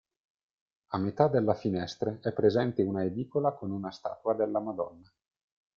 A metà della finestre è presente una edicola con una statua della Madonna.